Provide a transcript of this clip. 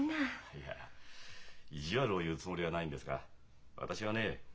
いや意地悪を言うつもりはないんですが私はね